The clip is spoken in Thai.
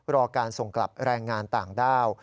รอการส่งกลับแรงงานต่างด้าว